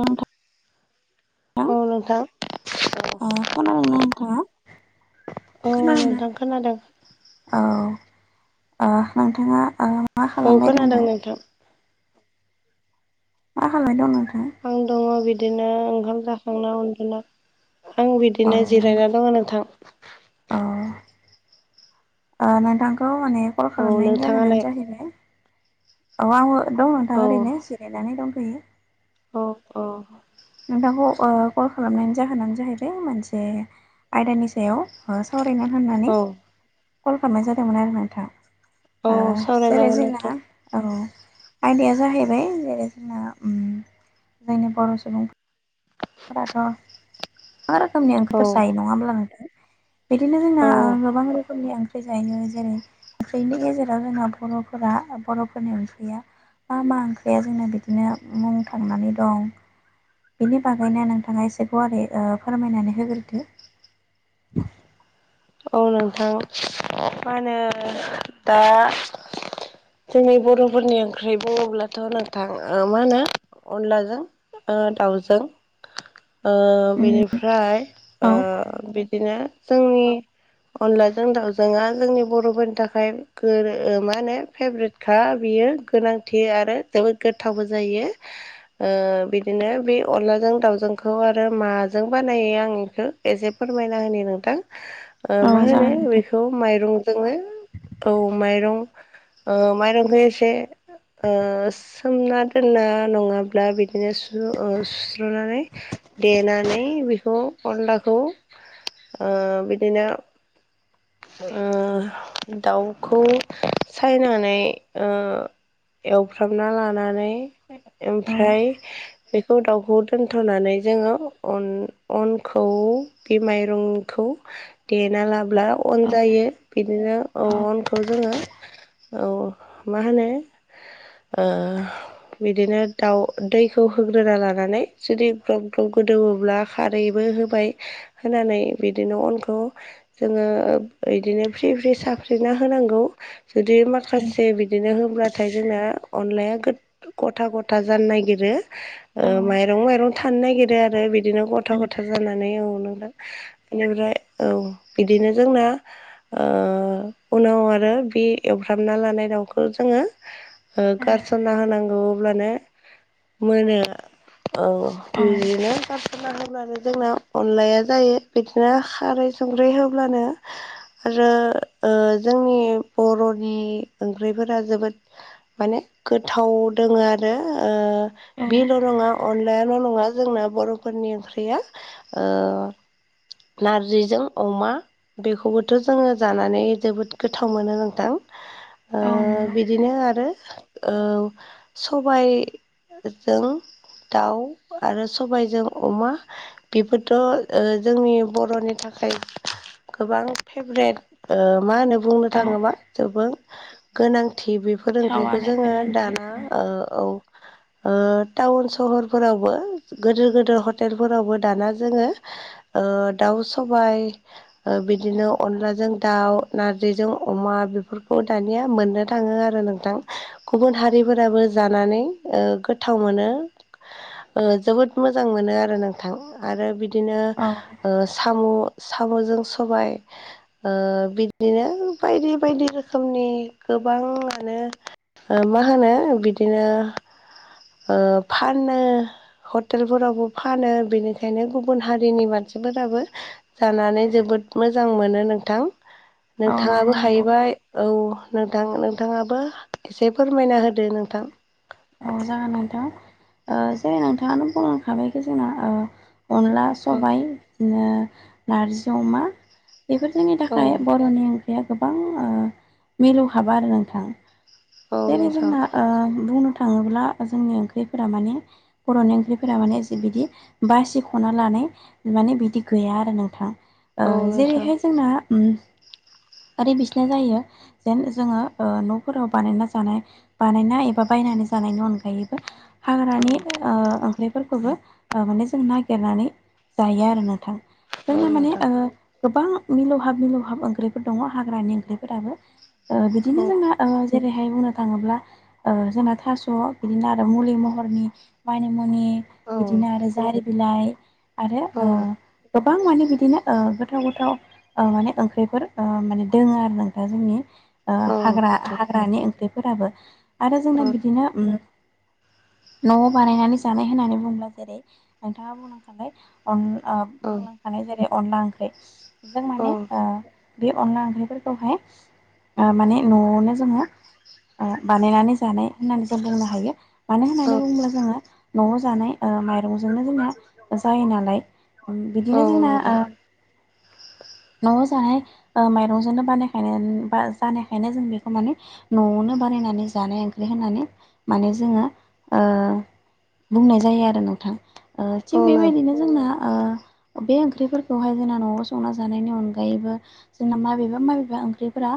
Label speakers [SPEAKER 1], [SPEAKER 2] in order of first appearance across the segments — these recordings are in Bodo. [SPEAKER 1] नोंथां नोंथां ओ खोनादों ना नोंथाङा?
[SPEAKER 2] औ
[SPEAKER 1] खोनादोंना
[SPEAKER 2] नोंथां खोनादों
[SPEAKER 1] औ ओ नोंथाङा ओ मा
[SPEAKER 2] औ
[SPEAKER 1] खालामबाय
[SPEAKER 2] खोनादों
[SPEAKER 1] दंबा?
[SPEAKER 2] नोंथां
[SPEAKER 1] मा खालामबाय दं नोंथां?
[SPEAKER 2] आं दङ बिदिनो ओंखाम जाखांना उन्दुना। आं बिदिनो जिरायना दङ नोंथां
[SPEAKER 1] अ ओ नोंथांखौ माने कल
[SPEAKER 2] औ
[SPEAKER 1] खालामनायनि
[SPEAKER 2] नोंथाङालाय
[SPEAKER 1] जाहोनानो जाहैबाय औ आं दं नोंथां
[SPEAKER 2] औ
[SPEAKER 1] ओरैनो जिरायनानै दंथ'यो।
[SPEAKER 2] अ औ
[SPEAKER 1] नोंथांखौ ओ कल खालामनायनि जाहोनानो जाहैबाय मोनसे आयदानि सायाव ओ सावरायनो होननानै
[SPEAKER 2] औ
[SPEAKER 1] कल खालामनाय जादोंमोन आरो नोंथां।
[SPEAKER 2] औ
[SPEAKER 1] ओ जेरै
[SPEAKER 2] सावरायजागोन नोंथां
[SPEAKER 1] जोंना औ आयदाया जाहैबाय जेरै जोंना उम जोंनि बर' सुबुं फोराथ' गोबां रोखोमनि
[SPEAKER 2] औ
[SPEAKER 1] ओंख्रिफोर जायो नङा होमब्ला नोंथां। बिदिनो जोंना
[SPEAKER 2] औ
[SPEAKER 1] गोबां रोखोमनि ओं ख्रि जायो जेरै ओंख्रिनि गेजेराव जोंना बर'फोरा बर'फोरनि ओंख्रिया मा मा ओंख्रिया जोंना बिदिनो मुं थांनानै दं बेनि बागैनो नोंथाङा एसे गुवारै फोरमायनानै होग्रोदो
[SPEAKER 2] औ नोंथां मा होनो दा जोंनि बर'फोरनि ओंख्रि बुङोब्लाथ' नोंथां मा होनो अनलाजों ओ दाउजों ओ
[SPEAKER 1] उम
[SPEAKER 2] बेनिफ्राय ओ
[SPEAKER 1] औ
[SPEAKER 2] बिदिनो जोंनि अनलाजों दाउजोंआ जोंनि बर'फोरनि थाखाय गो-रो मा होनो फेभ्रेट खा बियो गोनांथि आरो जोबोद गोथावबो जायो। ओ बिदिनो बे अनलाजों दाावजोंखौ आरो माजों बानायो आं एखौ एसे फोरमायना होनि नोंथां ओ
[SPEAKER 1] औ
[SPEAKER 2] मा होनो
[SPEAKER 1] जागोन नोंथां
[SPEAKER 2] बेखौ माइरंजोंनो औ माइरं ओ माइरंखौ एसे ओ सोमना दोनना नङाब्ला बिदिनो सु-सुस्र'नानै देनानै बेखौ अनलाखौ ओ बिदिनो ओ दाउखौ सायनानै ओ एवफ्रामना लानानै
[SPEAKER 1] औ
[SPEAKER 2] ओमफ्राय बेखौ दाउखौ दोनथ'नानै जोङो अन अनखौ बे माइरंखौ देना लाब्ला अन
[SPEAKER 1] औ
[SPEAKER 2] जायो बिदिनो औ अनखौ जोङो औ मा होनो ओ बिदिनो दाउ दैखौ होग्रोना लानानै जुदि ग्लब ग्लब गोदौवोब्ला खारैबो होबाय होनानै बिदिनो अनखौ जोङो इदिनो फ्रि फ्रि साफ्रिना होनांगौ जुदि माखासे बिदिनो हब्लाथाय जोंना अनलाया गो गथा गथा जानो नागिरो
[SPEAKER 1] औ
[SPEAKER 2] माइरं माइरं थानो नागिरो आरो बि दिनो गथ' गथ जानानै औ नोंथां बेनिफ्राय औ बिदिनो जोंना ओ उनाव आरो बे एवफ्रामना लानाय दाउखौ जोङो ओ गारसना होनांगौ अब्लानो मोनो औ
[SPEAKER 1] औ
[SPEAKER 2] बिदिनो गारसनना होब्लानो जोंना अनलाया जायो बिदिनो खारै संख्रि होब्लानो आरो ओ जोंनि बर'नि ओंख्रिफोरा जोबोद माने गोथाव दोङो आरो ओ बिल' नङा अनलायाल' नङा जोंना बर'फोरनि ओंख्रिया ओ नारजिजों अमा बेखौबोथ' जोङो जानानै जोबोद गोथाव मोनो नोंथां। ओ
[SPEAKER 1] औ नंगौ
[SPEAKER 2] बिदिनो आरो औ सबाय जों दाउ आरो सबायजों अमा बेफोरथ' जोंनि बर'नि थाखाय गोबां फेभ्रेट मा होनो बुंनो
[SPEAKER 1] औ
[SPEAKER 2] थाङोबा ज गोनांथि बे बेफोर
[SPEAKER 1] थाव
[SPEAKER 2] ओंख्रिखौ
[SPEAKER 1] आरो
[SPEAKER 2] जोङो
[SPEAKER 1] गोनांथि
[SPEAKER 2] दाना औ टाउन सहरफोरावबो गिदिर गोिदिर हटेलफोरावबो दाना जोङो दाउ सबाय ओ बिदिनो अनलाजों दाउ नारजिजों अमा बेफोरखौ दानिया मोननो थाङो आरो नों थां गुबुन हारिफोराबो जानानै गोथाव मोनो। ओ जोबोद मोजां मोनो आरो नों थां आरो बिदिनो
[SPEAKER 1] औ
[SPEAKER 2] ओ साम' साम'जों सबाय ओ बिदिनो बायदि बायदि रोखोमनि गोबाङानो ओ मा होनो बिदिनो ओ फानो। हटेलफोरावबो फानो बेनिखायनो गुबुन हारिनि मानसिफोराबो जानानै जोबोद मोजां मोनो नोंथां
[SPEAKER 1] औ नंगौ
[SPEAKER 2] नोंथाङाबो
[SPEAKER 1] नोंथां
[SPEAKER 2] हाहैबाय औ नोंथां नोंथाङाबो एसे फोरमायना होदो नोंथां।
[SPEAKER 1] औ जागोन नोंथां ओ जे नोंथाङानो बुंखाबायखि जोंना अनला
[SPEAKER 2] औ
[SPEAKER 1] सबाइ बिदिनो नारजि अमा बेफोर जोंनि
[SPEAKER 2] औ
[SPEAKER 1] थाखाय बर'नि बे गोबां मिलौ हाबा आरो नोंथां
[SPEAKER 2] औ
[SPEAKER 1] जेरै
[SPEAKER 2] नोंथां
[SPEAKER 1] जोंना बुंनो थाङोब्ला जोंनि ओंख्रिफोरा माने बर'नि ओंख्रिफोरा माने ज बिदि बासिख'ना लानाय माने बिदि गैया आरो नोंथां
[SPEAKER 2] औ नोंथां
[SPEAKER 1] जेरैहाय जोंना आरो बिसोरनो जायो जेन जोङो न'फोराव बानायना जानाय बानायना एबा बायनानै जानायनि अनगायैबो
[SPEAKER 2] औ
[SPEAKER 1] हाग्रानि ओंख्रिफोरखौबो माने जों नागिरनानै जायो आरो नोंथां
[SPEAKER 2] औ
[SPEAKER 1] जोंना माने
[SPEAKER 2] नोंथां
[SPEAKER 1] गोबां मिलौहाब मिलौहाब ओंख्रिफोर दङ हाग्रानि ओंख्रिफोराबो बिदिनो
[SPEAKER 2] औ
[SPEAKER 1] जोंना जेरैहाय बुंनो थाङोब्ला जोंना' बिदिनो आरो मुलि महरनि मानि मुनि
[SPEAKER 2] औ
[SPEAKER 1] बिदिनो आरो जारि बिलाइ आरो
[SPEAKER 2] औ
[SPEAKER 1] गोबां माने बिदिनो गोथाव गोथाव माने ओंख्रिफोर माने दोङो आरो नों दा जोंनि
[SPEAKER 2] औ
[SPEAKER 1] हाग्रा
[SPEAKER 2] नोंथां
[SPEAKER 1] हाग्रानि ओंख्रिफोराबो आरो
[SPEAKER 2] औ
[SPEAKER 1] जोंना बिदिनो न'आव बानायनानै जानाय होननानै बुङोब्ला जेरै नोंथाङा बुंलांखाबाय अन
[SPEAKER 2] औ
[SPEAKER 1] बुंलांखानाय जेरै अनला ओंख्रि जों
[SPEAKER 2] औ
[SPEAKER 1] माने बे अनला ओंख्रिफोरखौहाय माने न'आवनो जोङो बानायनानै जानाय होननानै जों बुंनो हायो। मानो होननानै बुङोब्ला जोङो न'आव जानाय माइरंजोंनो जोंना जायो नालाय
[SPEAKER 2] औ
[SPEAKER 1] बिदिनो जोंना
[SPEAKER 2] नोंथां
[SPEAKER 1] न'आव जाहाय माइरंजोंनो बानायखाय जानायखायनो जों बेखौ माने न'आवनो बानायनानै जानाय ओंख्रि होनानै माने जोङो। बुंनाय जायो आरो नोंथां। ओ
[SPEAKER 2] औ
[SPEAKER 1] थिग
[SPEAKER 2] नों
[SPEAKER 1] बेबायदिनो जोंना ओ बे ओंख्रिफोरखौहाय जोंना न'आव संना जानायनि अनगायैबो जोंना माबेबा माबेबा ओंख्रिफोरा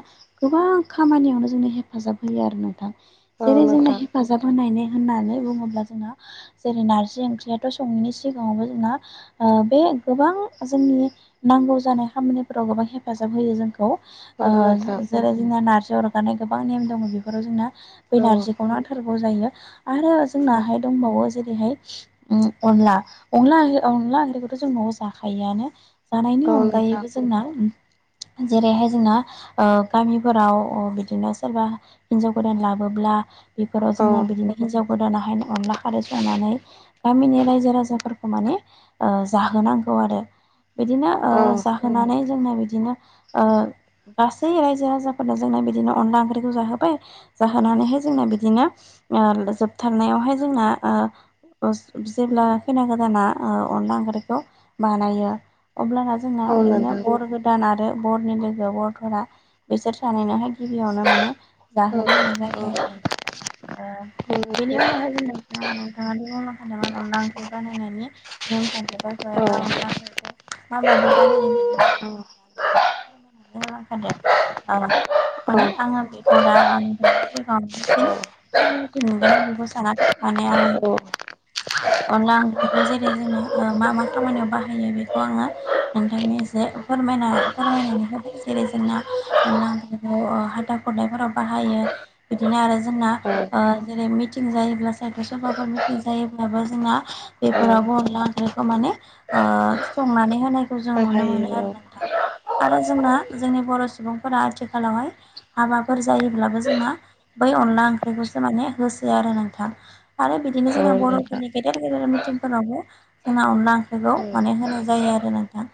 [SPEAKER 1] गोबां खामानियावनो जोंनो हेफाजाब होयो आरो नोंथां
[SPEAKER 2] औ
[SPEAKER 1] जेरै जोंना
[SPEAKER 2] नोंथां
[SPEAKER 1] हेफाजाब होनायनि होननानै बुङोब्ला जोंना जेरै नारजि ओंख्रियाथ' सङैनि सिगाङावबो जोंना ओ बे गोबां जोंनि नांगौ जानाय खामानिफोराव गोबां हेफ फाजाब होयो जोंखौ
[SPEAKER 2] औ
[SPEAKER 1] ओ
[SPEAKER 2] नोंथां
[SPEAKER 1] जेरै जोंना नारजि उरगानाय गोबां नेम दङ बेफोराव जोंना बे
[SPEAKER 2] औ
[SPEAKER 1] नारजिखौ नांथारगौ जायो आरो
[SPEAKER 2] औ
[SPEAKER 1] जोंनाहाय दंबावो जेरैहाय उ अनला अन अनला ओंख्रिखौथ' जों न'आव जाखायोआनो जानायनि
[SPEAKER 2] औ नोंथां
[SPEAKER 1] अनगायैबो जोंना जेरैहाय जोंना ओ गामिफोराव बिदिनो सोरबा हिनजाव गोदान लाबोब्ला बेफोराव
[SPEAKER 2] औ
[SPEAKER 1] जोंना बिदिनो हिनजाव गोदानाहाय अनला खारै संनानै गामिनि रायजो राजाफोरखौ माने ओ जाहोनांगौ आरो। बिदिनो ओ
[SPEAKER 2] औ
[SPEAKER 1] जाहोनानै जोंना बिदिनो ओ गासै रायजो राजाफोरनो जोंना बिदिनो अनला ओंख्रिखौ जाहोबाय जाहोनानैहाय जोंना बिदिनो ओ जोबथारनायावहाय जोंना ओ [unintelligible] जेब्ला खैना गोदाना ओ अनला ओंख्रिखौ बानायो अब्लाना जोंना
[SPEAKER 2] औ
[SPEAKER 1] बिदिनो
[SPEAKER 2] नोंथां
[SPEAKER 1] बर गोदान आरो बरनि लोगो बरफोरा बिसोर सानैनोहाय गिबियावनो माने
[SPEAKER 2] औ
[SPEAKER 1] जाहोलायनाय जायो आरो नोंथां ओ बेनि उनावहाय जों नोंथाङा नोंथाङाथ बुंलांखादोंमोन अनला ओख्रि बानायनायनि नेमखान्थिखौ एबा अनलाफोरखौ माबायदि बानायो बेनि बागै
[SPEAKER 2] औ
[SPEAKER 1] [unintelligible] हांखादों ओ
[SPEAKER 2] औ
[SPEAKER 1] माने आङो बे [unintelligible] [unintelligible] बेखौ सानाखै माने आं
[SPEAKER 2] औ
[SPEAKER 1] अनला ओंख्रिखौ जेरै जोङो मा मा खामानियाव बाहायो बेखौ आङो नोंथांनि एसे फोरमायना फोरमायनानै होबाय जेरै जोंना अनला ओंख्रिखौ ओ हाथा खुरनायफोराव बाहायो बिदिनो आरो जोंना
[SPEAKER 2] औ
[SPEAKER 1] ओ जेरै मिटिं जायोब्ला साहित्य सभाफोर मिटिं जायोब्लाबो जोंना
[SPEAKER 2] औ
[SPEAKER 1] बेफोरावबो अनला ओंख्रिखौ माने ओ संनानै होनायखौ जों नुनो मोनो
[SPEAKER 2] बाहायो
[SPEAKER 1] आरो
[SPEAKER 2] औ
[SPEAKER 1] ना आरो जोंना जोंनि बर' सुबुंफोरा आथिखालावहाय हाबाफोर जायोब्लाबो जोंना बै अनला ओंख्रिखौसो माने होसो आरो नोंथां। आरो बिदिनो
[SPEAKER 2] औ
[SPEAKER 1] जोंना
[SPEAKER 2] नोंथां
[SPEAKER 1] बर'फोरनि गेदेर गेदेर मिटिंफोरावबो जोंना अनला ओंख्रिखौ
[SPEAKER 2] औ
[SPEAKER 1] माने होनाय जायो आरो नोंथां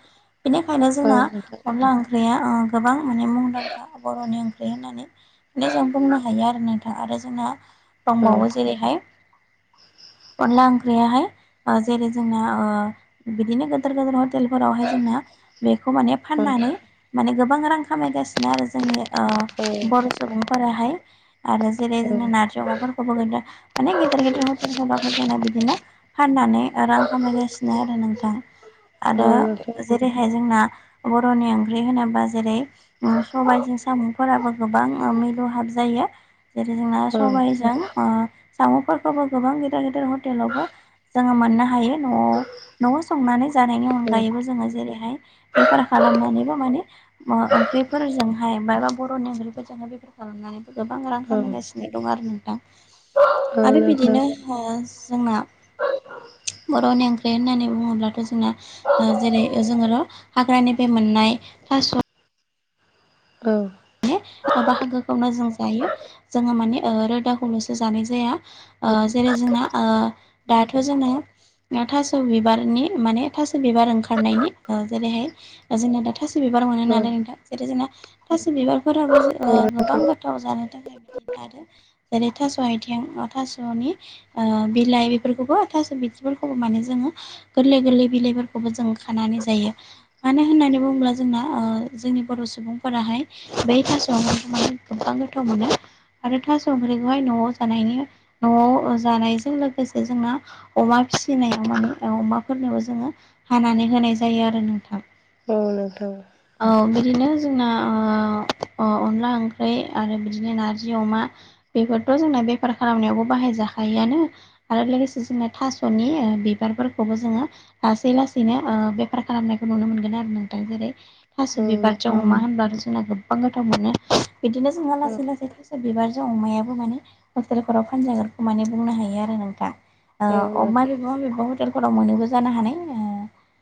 [SPEAKER 1] बेनिखायनो
[SPEAKER 2] औ
[SPEAKER 1] जोंना
[SPEAKER 2] नोंथां
[SPEAKER 1] अनला ओंख्रिया ओ गोबां माने मुंदांखा बर'नि ओंख्रि होननानै माने जों बुंनो हायो आरो नोंथां आरो जोंना
[SPEAKER 2] औ
[SPEAKER 1] दंबावो जेरैहाय अनला ओंख्रियाहाय ओ जेरै जोंना ओ बिदिनो गिदेर गदेर हटेलफोरावहाय जोंना बेखौ माने
[SPEAKER 2] औ
[SPEAKER 1] फाननानै
[SPEAKER 2] नोंथां
[SPEAKER 1] माने गोबां रां खामायगासिनो आरो जोंनि
[SPEAKER 2] औ
[SPEAKER 1] ओ बर' सुबुंफोराहाय। आरो जेरै जोंनो नारजि अमाफोरखौबो माने गेदेर गेदेर हटेलफोरबाबो जोंना बिदिनो फाननानै रां खामायगासिनो आरो नोंथां आरो
[SPEAKER 2] औ औ नोंथां औ नोंथां औ नोंथां औ नोंथां औ
[SPEAKER 1] जेरैहाय जोंना बर'नि ओंख्रि होनोब्ला जेरै सबायाइजों साम'फोराबो गोबां मिलुहाब जायो। जेरै जोंना
[SPEAKER 2] नोंथां औ
[SPEAKER 1] सबायाइजों ओ साम'फोरखौबो गोबां गिदिर गिदिर हटेलावबो जोङो मोननो हायो न'आव न'आव संनानै जानायनि अनगायैबो जोङो जेरै हाय बेफार खालामनानैबो माने ओ ओंख्रिफोरजोंहाय मायबा बर'नि ओंख्रिफोरजोंहाय बेफोर खालामनानैबो गोबां रां खामायगासिनो दं आरो नोंथां आरो बिदिनो हो जोंना बर'नि ओंख्रि होननानै बुङोब्लाथ' जोंना ओ जेरै जोङोर' हाग्रानि बे मोननाय थास'
[SPEAKER 2] औ
[SPEAKER 1] माने बाहागोखौनो जों जायो जोङो माने ओ रोदाखौल'सो जानाय जाया। ओ जेरै जोंना ओ दाथ' जोंना थास' बिबारनि माने थास' बिबार ओंखारनायनि जेरैहाय जोंना दा थास' बिबार मोनो नालाय नोंथां जेरै जोंना थास' बिबारफोराबो ज गोबां गोथाव जानो थाखाय बिदिनो आरो जेरै थास' आइथिं थास'नि ओ बिलाइ बेफोरखौबो थास' बिदिफोरखौबो माने जोङो गोरलै गोरलै बिलाइफोरखौबो जों खानानै जायो। मानो होननानै बुङोब्ला जोंना जोंनि बर' सुबुंफोराहाय बे थास'आव गोबां गोथाव मोनो। आरो थास ओंख्रिखौहाय न'आव जानायनि न'आव जानायजों लोगोसे जोंना अमा फिसिनायाव माने अमाफोरनोबो जोङो हानानै होनाय जायो आरो नोंथां
[SPEAKER 2] औ नोंथां
[SPEAKER 1] औ बिदिनो जोंना अनला ओंख्रि आरो बिदिनो नारजि अमा बेफोरथ' जोंना बेफार खालामनायावबो बाहायजाखायोआनो। आरो लोगोसे जोंना थास'नि ओ बिबारफोरखौबो जोङो लासै लासैनो बेफार खालामनायखौ नुनो मोनगोन आरो नोंथां जेरै थास' बिबार जों अमा होनबा जोंना गोबां गोथाव मोनो बिदिनो जोंहा लासै लासै थसा बिबारजों अमायाबो माने हटेलफोराव फानजागोनखौ माने बुंनो हायो आरो नोंथाङा अ माबेबा माबेबा हटेलफोराव मोनोबो जानो हानाय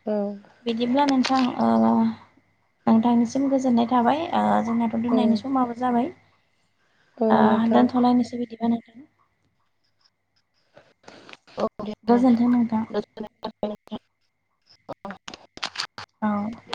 [SPEAKER 2] औ
[SPEAKER 1] बिदिब्ला नोंथां नोंथांनिसिम गोजोननाय थाबाय जोंनाथ' दोननायनि समाबो जाबाय दोनथ'लायनोसै बिदिबा नोंथां
[SPEAKER 2] दे
[SPEAKER 1] गोजोन्थों नोंथां
[SPEAKER 2] औ
[SPEAKER 1] औ